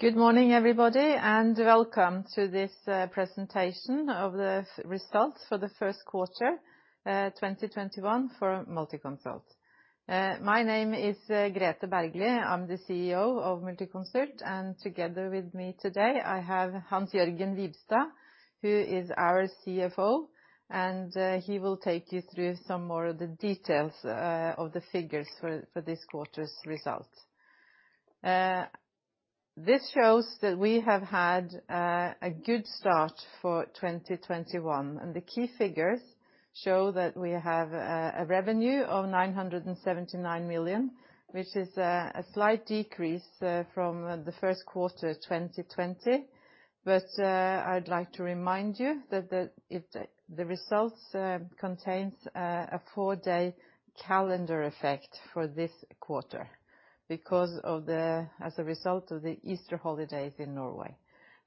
Good morning, everybody, welcome to this presentation of the results for the first quarter 2021 for Multiconsult. My name is Grethe Bergly. I'm the CEO of Multiconsult, and together with me today, I have Hans-Jørgen Wibstad, who is our CFO, and he will take you through some more of the details of the figures for this quarter's results. This shows that we have had a good start for 2021, and the key figures show that we have a revenue of 979 million, which is a slight decrease from the first quarter 2020. I'd like to remind you that the results contains a four-day calendar effect for this quarter as a result of the Easter holidays in Norway.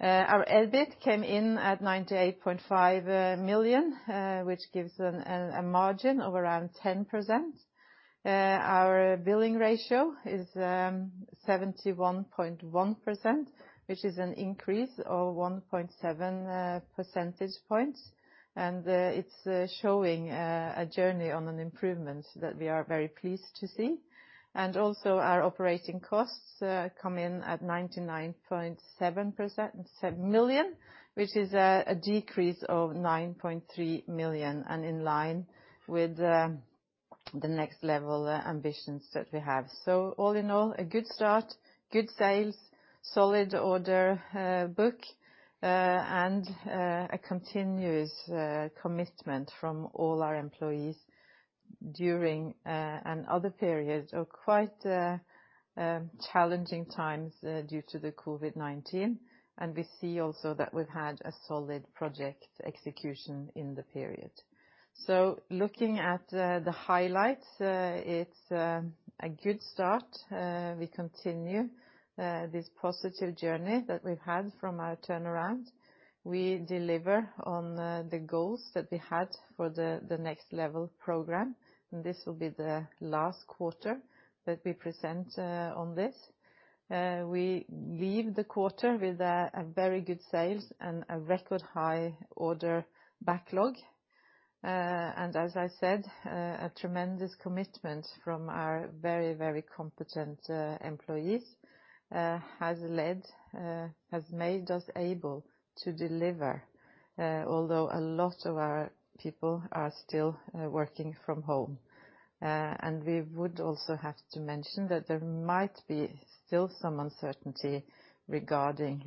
Our EBIT came in at 98.5 million, which gives a margin of around 10%. Our billing ratio is 71.1%, which is an increase of 1.7 percentage points. It's showing a journey on an improvement that we are very pleased to see. Our operating costs come in at 99.7 million, which is a decrease of 9.3 million, and in line with the nextLEVEL ambitions that we have. All in all, a good start, good sales, solid order book, and a continuous commitment from all our employees during and other periods of quite challenging times due to the COVID-19. We see also that we've had a solid project execution in the period. Looking at the highlights, it's a good start. We continue this positive journey that we've had from our turnaround. We deliver on the goals that we had for the nextLEVEL program, and this will be the last quarter that we present on this. We leave the quarter with very good sales and a record high order backlog. As I said, a tremendous commitment from our very competent employees has made us able to deliver, although a lot of our people are still working from home. We would also have to mention that there might be still some uncertainty regarding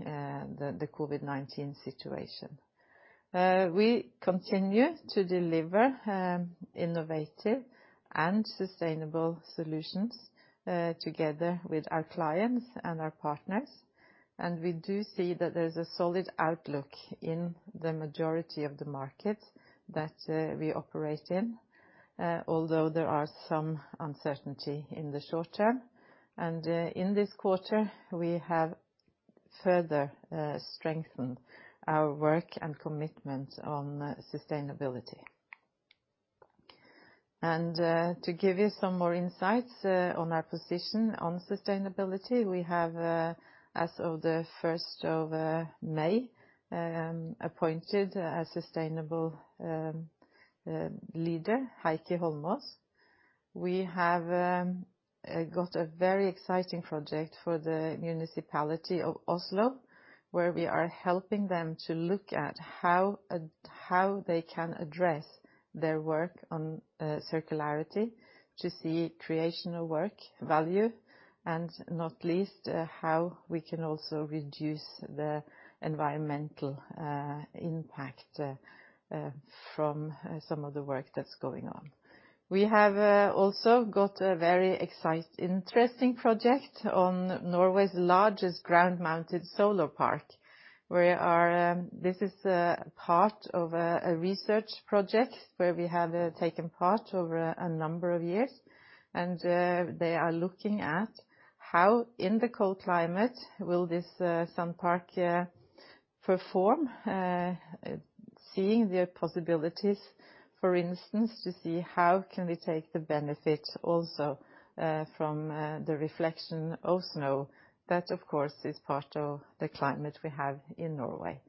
the COVID-19 situation. We continue to deliver innovative and sustainable solutions, together with our clients and our partners. We do see that there's a solid outlook in the majority of the markets that we operate in, although there are some uncertainty in the short term. In this quarter, we have further strengthened our work and commitment on sustainability. To give you some more insights on our position on sustainability, we have, as of May 1st, appointed a sustainable leader, Heikki Holmås. We have got a very exciting project for the municipality of Oslo, where we are helping them to look at how they can address their work on circularity to see creation of work value, and not least, how we can also reduce the environmental impact from some of the work that's going on. We have also got a very interesting project on Norway's largest ground-mounted solar park. This is a part of a research project where we have taken part over a number of years. They are looking at how, in the cold climate, will this sun park perform? Seeing the possibilities, for instance, to see how can we take the benefit also from the reflection of snow. That, of course, is part of the climate we have in Norway.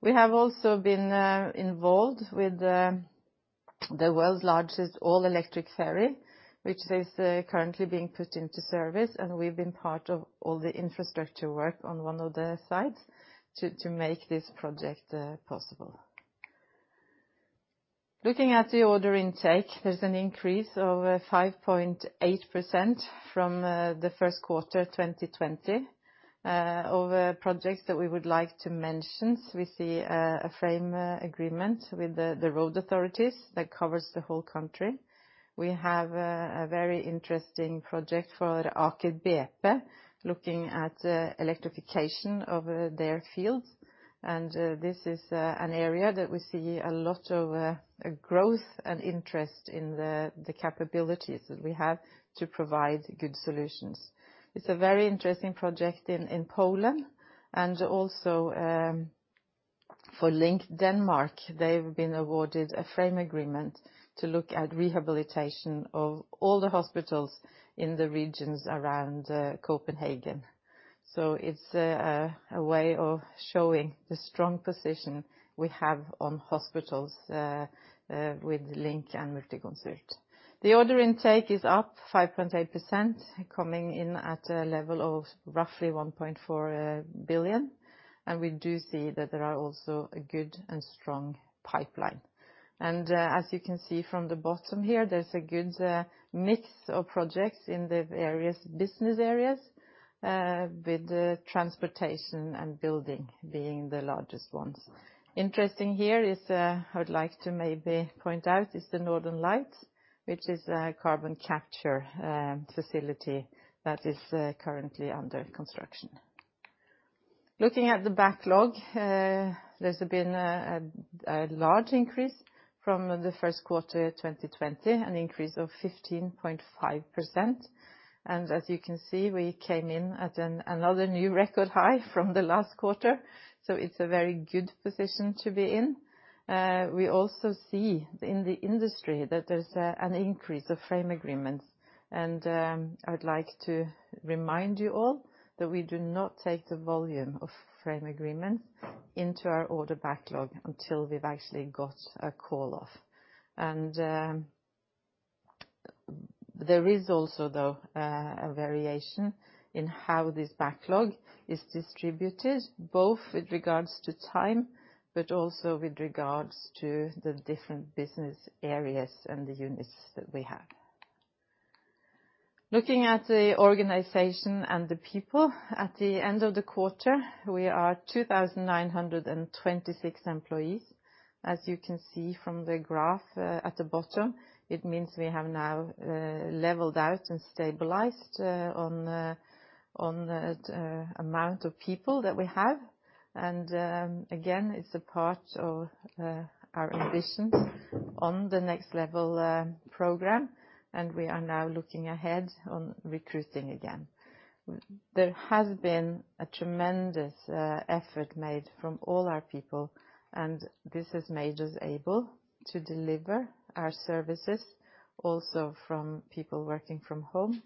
We have also been involved with the world's largest all-electric ferry, which is currently being put into service, and we've been part of all the infrastructure work on one of the sites to make this project possible. Looking at the order intake, there's an increase of 5.8% from the first quarter 2020 of projects that we would like to mention. We see a frame agreement with the road authorities that covers the whole country. We have a very interesting project for Aker BP looking at electrification of their fields. This is an area that we see a lot of growth and interest in the capabilities that we have to provide good solutions. It's a very interesting project in Poland and also for LINK Denmark, they've been awarded a frame agreement to look at rehabilitation of all the hospitals in the regions around Copenhagen. It's a way of showing the strong position we have on hospitals with LINK and Multiconsult. The order intake is up 5.8%, coming in at a level of roughly 1.4 billion. We do see that there are also a good and strong pipeline. As you can see from the bottom here, there's a good mix of projects in the various business areas, with transportation and building being the largest ones. Interesting here is, I would like to maybe point out, is the Northern Lights, which is a carbon capture facility that is currently under construction. Looking at the backlog, there's been a large increase from the first quarter 2020, an increase of 15.5%. As you can see, we came in at another new record high from the last quarter, so it's a very good position to be in. We also see in the industry that there's an increase of frame agreements. I'd like to remind you all that we do not take the volume of frame agreements into our order backlog until we've actually got a call off. There is also, though, a variation in how this backlog is distributed, both with regards to time, but also with regards to the different business areas and the units that we have. Looking at the organization and the people, at the end of the quarter, we are 2,926 employees. As you can see from the graph at the bottom, it means we have now leveled out and stabilized on the amount of people that we have. Again, it's a part of our ambitions on the nextLEVEL program, and we are now looking ahead on recruiting again. There has been a tremendous effort made from all our people, and this has made us able to deliver our services also from people working from home,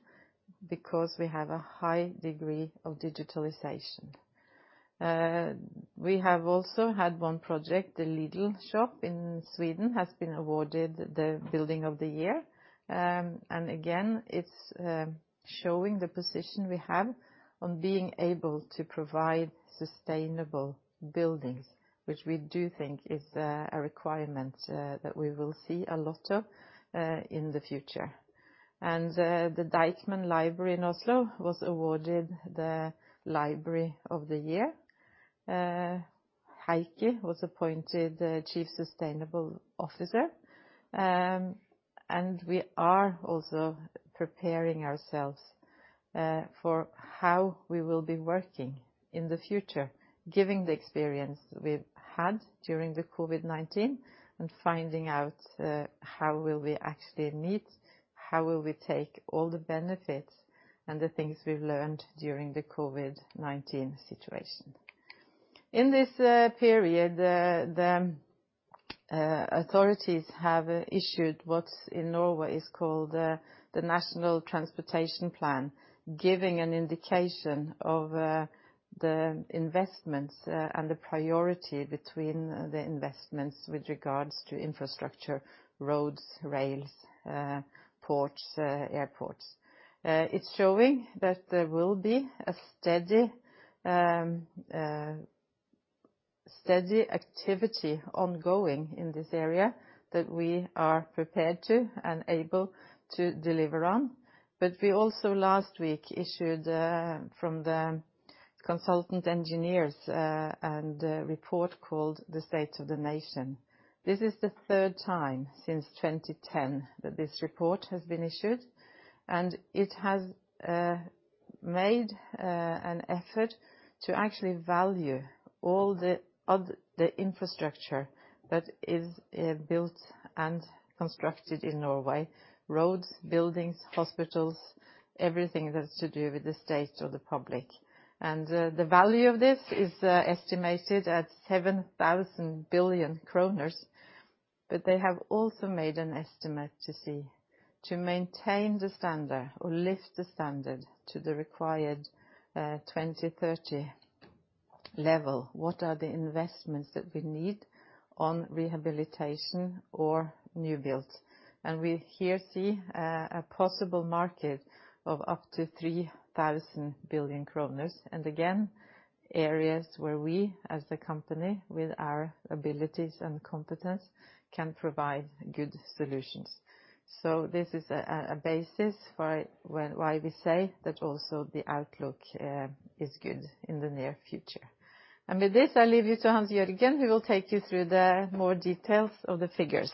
because we have a high degree of digitalization. We have also had one project, the Lidl shop in Sweden, has been awarded the building of the year. Again, it's showing the position we have on being able to provide sustainable buildings, which we do think is a requirement that we will see a lot of in the future. The Deichman library in Oslo was awarded the library of the year. Heikki was appointed Chief Sustainability Officer. We are also preparing ourselves for how we will be working in the future, given the experience we've had during the COVID-19, and finding out how will we actually meet, how will we take all the benefits and the things we've learned during the COVID-19 situation. In this period, the authorities have issued what in Norway is called the National Transportation Plan, giving an indication of the investments and the priority between the investments with regards to infrastructure, roads, rails, ports, airports. It's showing that there will be a steady activity ongoing in this area that we are prepared to and able to deliver on. We also last week issued, from the consultant engineers, a report called "The State of the Nation". This is the third time since 2010 that this report has been issued. It has made an effort to actually value all the infrastructure that is built and constructed in Norway: roads, buildings, hospitals, everything that's to do with the state or the public. The value of this is estimated at 7,000 billion kroner. They have also made an estimate to see, to maintain the standard or lift the standard to the required 2030 level, what are the investments that we need on rehabilitation or new build. We here see a possible market of up to 3,000 billion kroner. Again, areas where we as a company, with our abilities and competence, can provide good solutions. This is a basis for why we say that also the outlook is good in the near future. With this, I leave you to Hans-Jørgen, who will take you through the more details of the figures.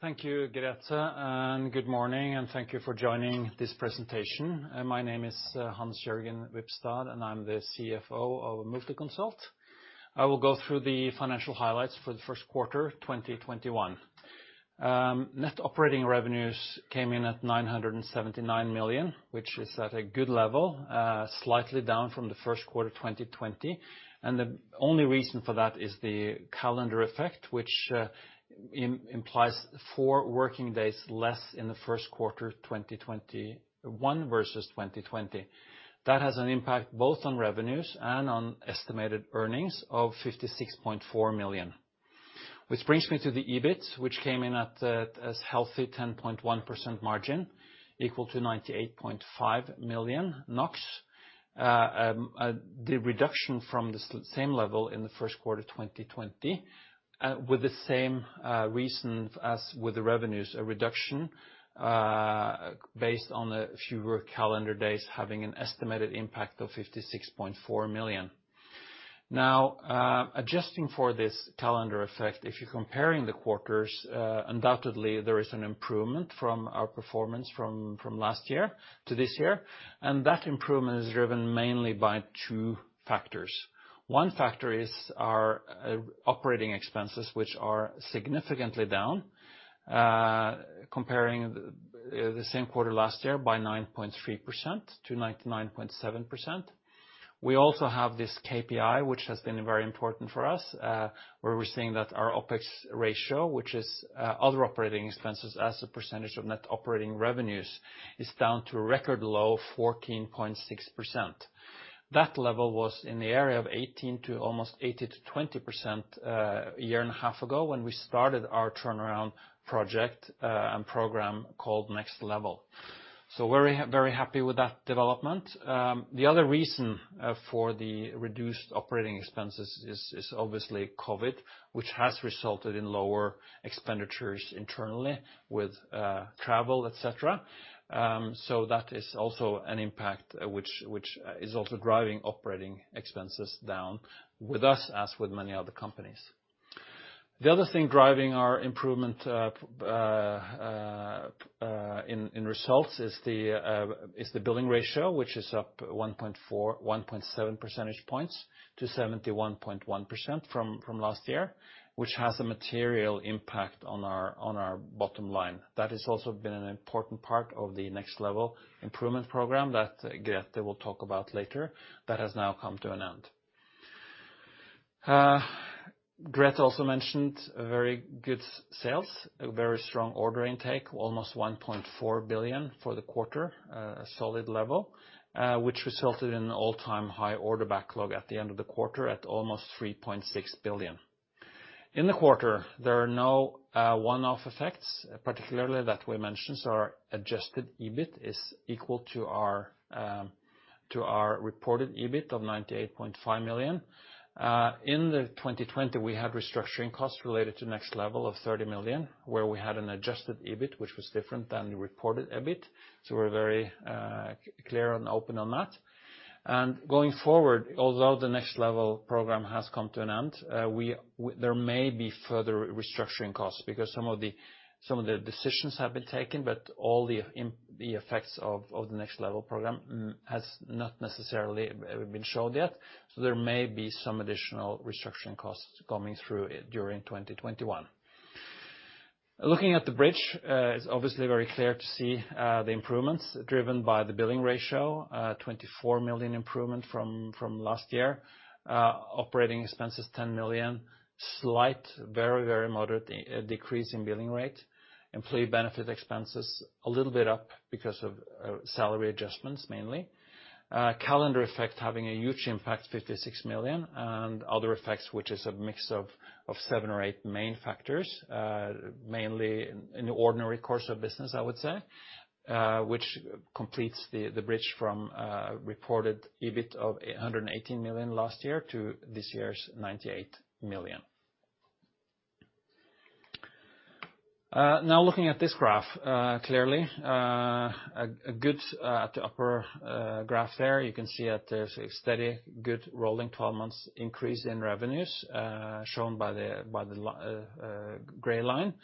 Thank you, Grethe, and good morning, and thank you for joining this presentation. My name is Hans-Jørgen Wibstad, and I'm the CFO of Multiconsult. I will go through the financial highlights for the first quarter 2021. Net operating revenues came in at 979 million, which is at a good level, slightly down from the first quarter 2020. The only reason for that is the calendar effect, which implies four working days less in the first quarter 2021 versus 2020. That has an impact both on revenues and on estimated earnings of 56.4 million. Which brings me to the EBIT, which came in at a healthy 10.1% margin equal to 98.5 million NOK. The reduction from the same level in the first quarter 2020, with the same reason as with the revenues, a reduction based on the fewer calendar days having an estimated impact of 56.4 million. Adjusting for this calendar effect, if you're comparing the quarters, undoubtedly there is an improvement from our performance from last year to this year. That improvement is driven mainly by two factors. One factor is our operating expenses, which are significantly down, comparing the same quarter last year by 9.3%-99.7%. We also have this KPI, which has been very important for us, where we're seeing that our OpEx ratio, which is other operating expenses as a percentage of net operating revenues, is down to a record low 14.6%. That level was in the area of 18% to almost 18%-20%, a year and a half ago when we started our turnaround project and program called nextLEVEL. Very happy with that development. The other reason for the reduced operating expenses is obviously COVID-19, which has resulted in lower expenditures internally with travel, et cetera. That is also an impact which is also driving OpEx down with us as with many other companies. The other thing driving our improvement in results is the billing ratio, which is up 1.7 percentage points to 71.1% from last year, which has a material impact on our bottom line. That has also been an important part of the nextLEVEL improvement program that Grethe will talk about later that has now come to an end. Grethe also mentioned very good sales, a very strong order intake, almost 1.4 billion for the quarter, a solid level, which resulted in an all-time high order backlog at the end of the quarter at almost 3.6 billion. In the quarter, there are no one-off effects, particularly that we mentioned, our adjusted EBIT is equal to our reported EBIT of 98.5 million. In the 2020, we had restructuring costs related to nextLEVEL of 30 million, where we had an adjusted EBIT, which was different than the reported EBIT. We're very clear and open on that. Going forward, although the nextLEVEL program has come to an end, there may be further restructuring costs because some of the decisions have been taken, but all the effects of the nextLEVEL program has not necessarily been showed yet. There may be some additional restructuring costs coming through during 2021. Looking at the bridge, it's obviously very clear to see the improvements driven by the billing ratio, 24 million improvement from last year. Operating expenses, 10 million. Slight, very moderate decrease in billing rate. Employee benefit expenses, a little bit up because of salary adjustments, mainly. Calendar effect having a huge impact, 56 million, and other effects, which is a mix of seven or eight main factors, mainly in the ordinary course of business, I would say, which completes the bridge from reported EBIT of 118 million last year to this year's 98 million. Now looking at this graph, clearly, at the upper graph there, you can see that there's a steady, good rolling 12 months increase in revenues, shown by the gray line.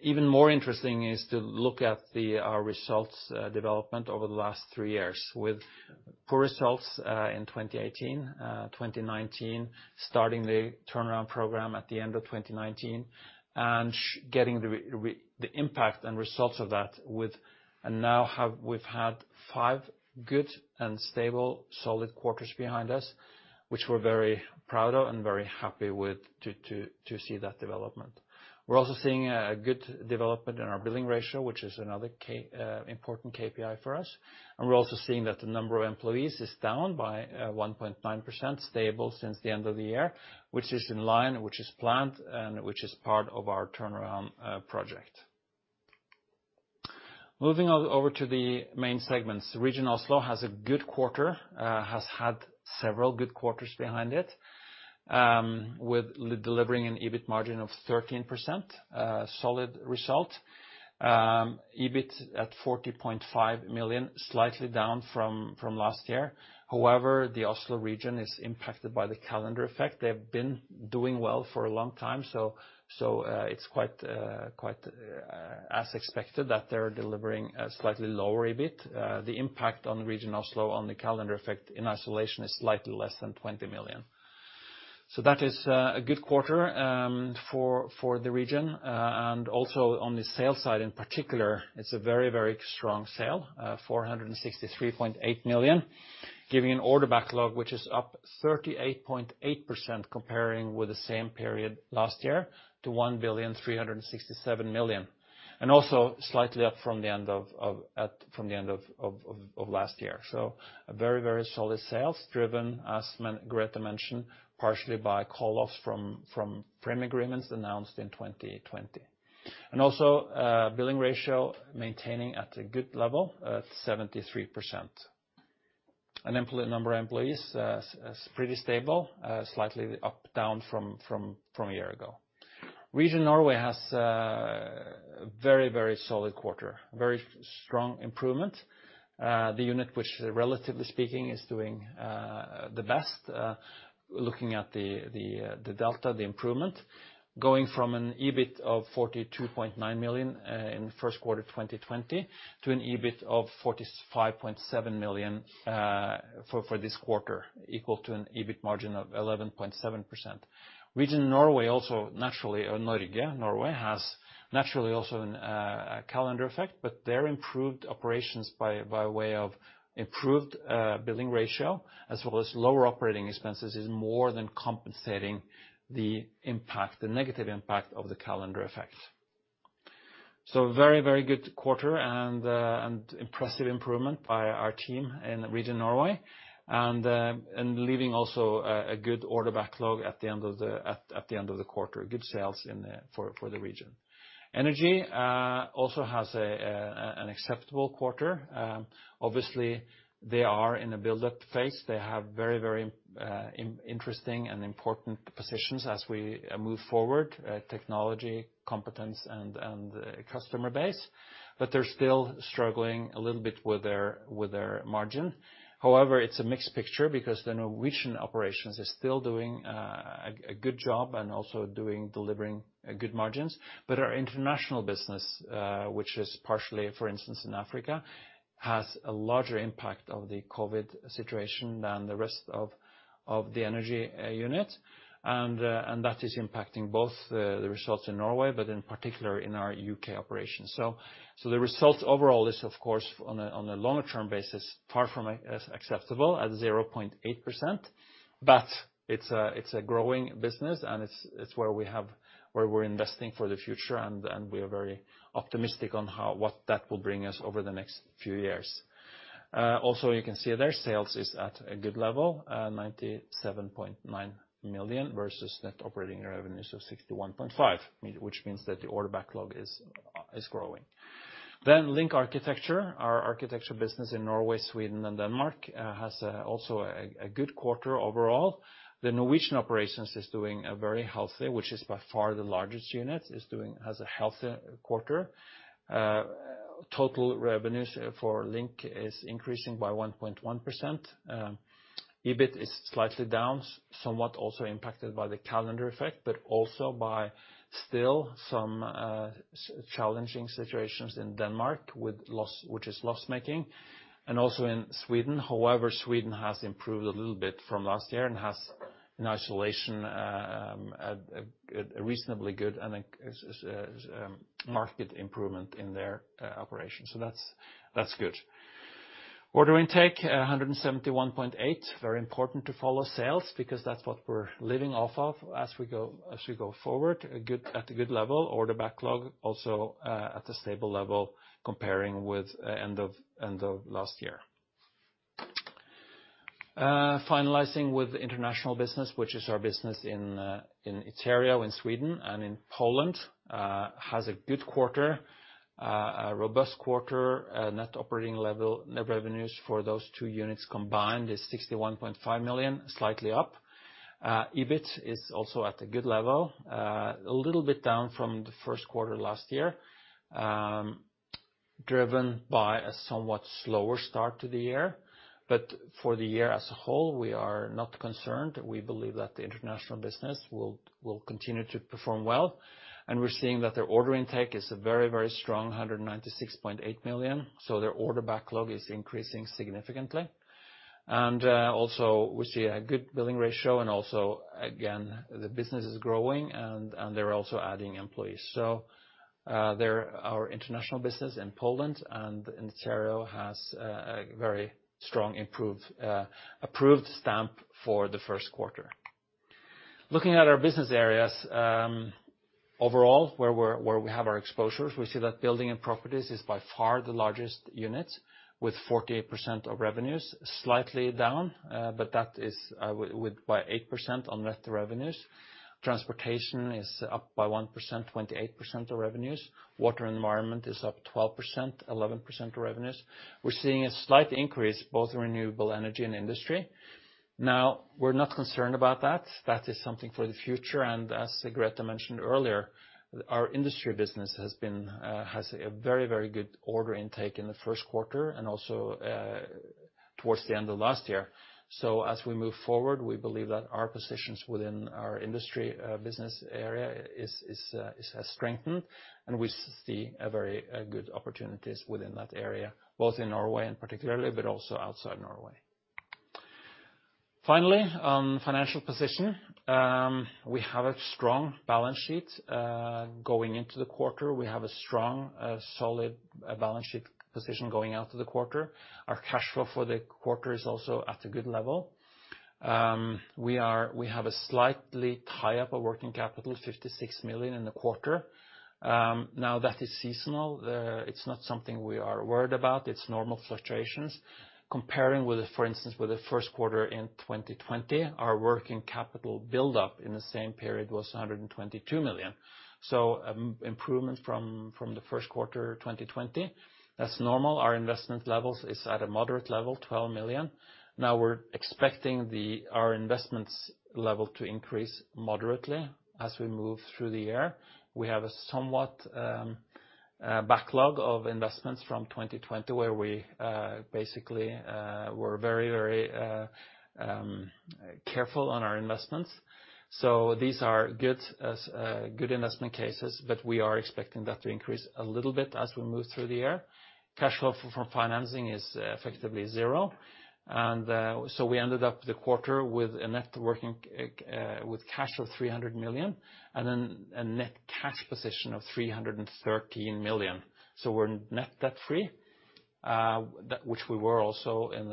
Even more interesting is to look at our results development over the last three years with poor results in 2018, 2019, starting the turnaround program at the end of 2019 and getting the impact and results of that and now we've had five good and stable solid quarters behind us, which we're very proud of and very happy to see that development. We're also seeing a good development in our billing ratio, which is another important KPI for us. We're also seeing that the number of employees is down by 1.9%, stable since the end of the year, which is in line, which is planned and which is part of our turnaround project. Moving over to the main segments. Region Oslo has a good quarter, has had several good quarters behind it, with delivering an EBIT margin of 13%, a solid result. EBIT at 40.5 million, slightly down from last year. However, the Region Oslo is impacted by the calendar effect. They've been doing well for a long time, so it's quite as expected that they're delivering a slightly lower EBIT. The impact on the Region Oslo on the calendar effect in isolation is slightly less than 20 million. So that is a good quarter for the region. On the sales side in particular, it's a very strong sale, 463.8 million, giving an order backlog, which is up 38.8% comparing with the same period last year to 1.367 billion. Slightly up from the end of last year. A very solid sales driven, as Grethe mentioned, partially by call-offs from frame agreements announced in 2020. Billing ratio maintaining at a good level, at 73%. Number of employees is pretty stable, slightly up, down from a year ago. Region Norway has a very solid quarter, very strong improvement. The unit, which relatively speaking, is doing the best, looking at the delta, the improvement. Going from an EBIT of 42.9 million in the first quarter of 2020 to an EBIT of 45.7 million for this quarter, equal to an EBIT margin of 11.7%. Region Norway also naturally, or Norge, Norway, has naturally also a calendar effect. Their improved operations by way of improved billing ratio as well as lower operating expenses, is more than compensating the negative impact of the calendar effect. Very good quarter and impressive improvement by our team in Region Norway and leaving also a good order backlog at the end of the quarter. Good sales for the region. Energy also has an acceptable quarter. Obviously, they are in a build-up phase. They have very interesting and important positions as we move forward, technology, competence, and customer base. They're still struggling a little bit with their margin. However, it's a mixed picture because the Norwegian operations is still doing a good job and also delivering good margins. Our international business, which is partially, for instance, in Africa, has a larger impact of the COVID-19 situation than the rest of the Energy unit. That is impacting both the results in Norway, but in particular in our U.K. operations. The result overall is, of course, on a longer term basis, far from acceptable at 0.8%. It's a growing business and it's where we're investing for the future and we are very optimistic on what that will bring us over the next few years. Also, you can see their sales is at a good level, 97.9 million versus net operating revenues of 61.5 million, which means that the order backlog is growing. LINK Arkitektur, our architecture business in Norway, Sweden, and Denmark has also a good quarter overall. The Norwegian operations is doing very healthy, which is by far the largest unit, has a healthy quarter. Total revenues for LINK is increasing by 1.1%. EBIT is slightly down, somewhat also impacted by the calendar effect, but also by still some challenging situations in Denmark which is loss-making. Also in Sweden. Sweden has improved a little bit from last year and has, in isolation, a reasonably good market improvement in their operations. That's good. Order intake, 171.8 million. Very important to follow sales because that's what we're living off of as we go forward. At a good level. Order backlog also at a stable level comparing with end of last year. Finalizing with the international business, which is our business in Iterio, in Sweden, and in Poland, has a good quarter, a robust quarter. Net operating level, net revenues for those two units combined is 61.5 million, slightly up. EBIT is also at a good level, a little bit down from the first quarter last year, driven by a somewhat slower start to the year. For the year as a whole, we are not concerned. We believe that the international business will continue to perform well, and we're seeing that their order intake is a very strong 196.8 million. Their order backlog is increasing significantly. Also we see a good billing ratio and also, again, the business is growing and they're also adding employees. Our international business in Poland and in Iterio has a very strong approved stamp for the first quarter. Looking at our business areas, overall, where we have our exposures, we see that building and properties is by far the largest unit with 48% of revenues, slightly down. That is by 8% on net revenues. Transportation is up by 1%, 28% of revenues. Water and environment is up 12%, 11% of revenues. We're seeing a slight increase both in renewable energy and industry. We're not concerned about that. That is something for the future. As Grethe mentioned earlier, our industry business has a very good order intake in the first quarter and also towards the end of last year. As we move forward, we believe that our positions within our industry business area is strengthened, and we see very good opportunities within that area, both in Norway and particularly, but also outside Norway. Finally, on financial position. We have a strong balance sheet going into the quarter. We have a strong, solid balance sheet position going out of the quarter. Our cash flow for the quarter is also at a good level. We have a slightly tie-up of working capital, 56 million in the quarter. Now, that is seasonal. It's not something we are worried about. It's normal fluctuations. Comparing, for instance, with the first quarter in 2020, our working capital build-up in the same period was 122 million. Improvement from the first quarter 2020. That's normal. Our investment levels is at a moderate level, 12 million. Now we're expecting our investments level to increase moderately as we move through the year. We have a somewhat backlog of investments from 2020, where we basically were very careful on our investments. These are good investment cases, but we are expecting that to increase a little bit as we move through the year. Cash flow from financing is effectively zero. We ended up the quarter with cash of 300 million and then a net cash position of 313 million. We're net debt-free, which we were also in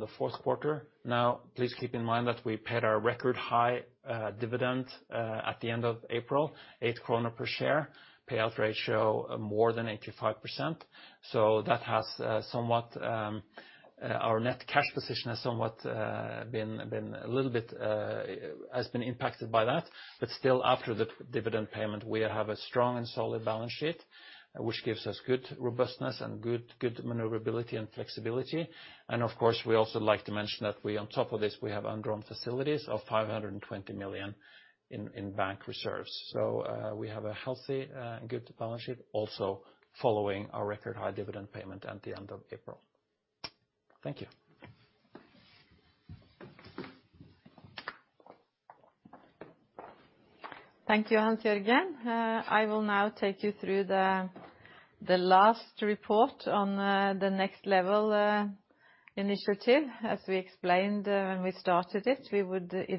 the fourth quarter. Please keep in mind that we paid our record high dividend at the end of April, 8 kroner per share, payout ratio more than 85%. Our net cash position has been impacted by that. Still after the dividend payment, we have a strong and solid balance sheet, which gives us good robustness and good maneuverability and flexibility. Of course, we also like to mention that on top of this, we have undrawn facilities of 520 million in bank reserves. We have a healthy, good balance sheet also following our record high dividend payment at the end of April. Thank you. Thank you, Hans-Jørgen. I will now take you through the last report on the nextLEVEL initiative. As we explained when we started it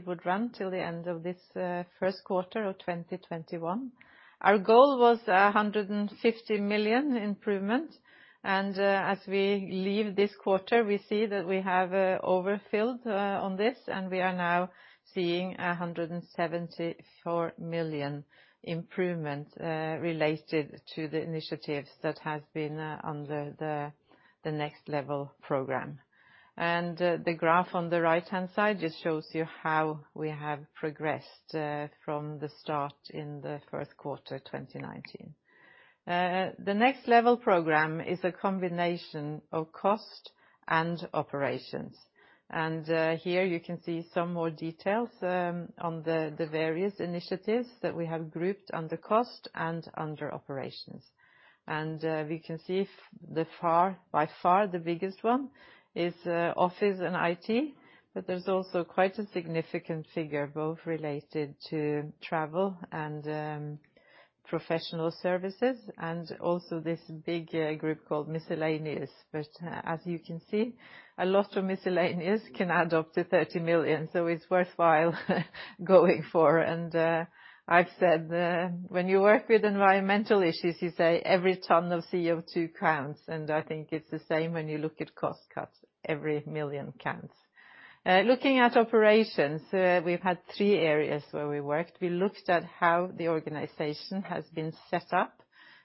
would run till the end of this Q1 2021. Our goal was 150 million improvement. As we leave this quarter, we see that we have overfilled on this, and we are now seeing 174 million improvement related to the initiatives that has been under the nextLEVEL program. The graph on the right-hand side just shows you how we have progressed from the start in the Q1 2019. The nextLEVEL program is a combination of cost and operations. Here you can see some more details on the various initiatives that we have grouped under cost and under operations. We can see by far the biggest one is office and IT, but there's also quite a significant figure both related to travel and professional services and also this big group called miscellaneous. As you can see, a lot of miscellaneous can add up to 30 million. It's worthwhile going for. I've said when you work with environmental issues, you say every ton of CO2 counts, and I think it's the same when you look at cost cuts. Every million counts. Looking at operations, we've had three areas where we worked. We looked at how the organization has been set up,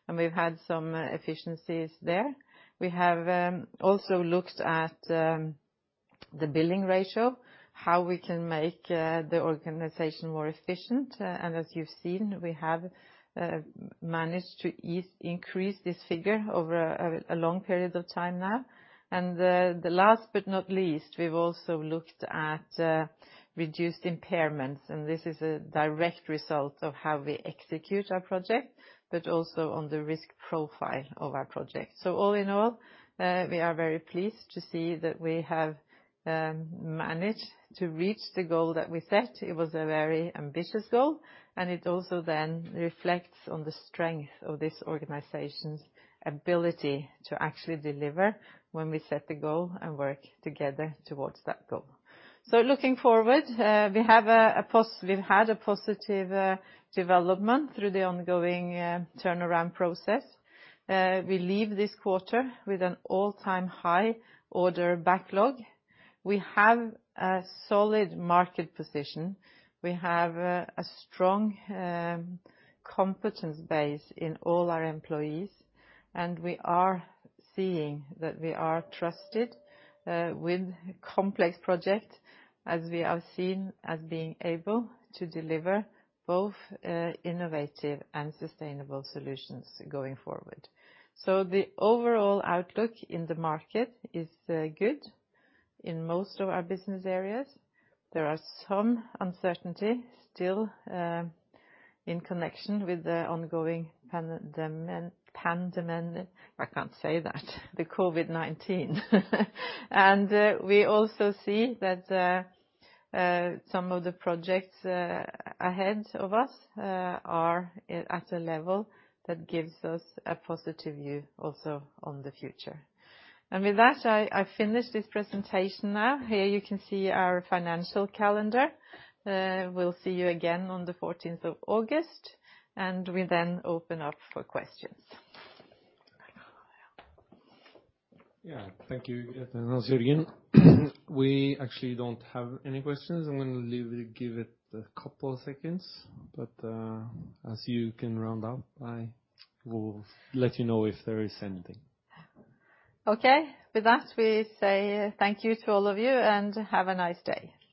and we've had some efficiencies there. We have also looked at the billing ratio, how we can make the organization more efficient. As you've seen, we have managed to increase this figure over a long period of time now. The last but not least, we've also looked at reduced impairments, and this is a direct result of how we execute our project, but also on the risk profile of our project. All in all, we are very pleased to see that we have managed to reach the goal that we set. It was a very ambitious goal, and it also then reflects on the strength of this organization's ability to actually deliver when we set the goal and work together towards that goal. Looking forward, we've had a positive development through the ongoing turnaround process. We leave this quarter with an all-time high order backlog. We have a solid market position. We have a strong competence base in all our employees, we are seeing that we are trusted with complex project as we have seen as being able to deliver both innovative and sustainable solutions going forward. The overall outlook in the market is good in most of our business areas. There are some uncertainty still in connection with the ongoing COVID-19. We also see that some of the projects ahead of us are at a level that gives us a positive view also on the future. With that, I finish this presentation now. Here you can see our financial calendar. We'll see you again on August 14th. We then open up for questions. Yeah. Thank you, Grethe and Hans-Jørgen. We actually don't have any questions. I'm going to give it a couple of seconds. As you can round up, I will let you know if there is anything. Okay. With that, we say thank you to all of you, and have a nice day.